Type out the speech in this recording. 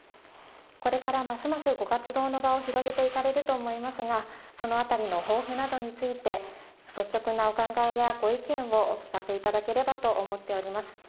これからますますご活動の場を広げていかれると思いますが、そのあたりの抱負などについて、率直なお考えやご意見をお聞かせいただければと思っております。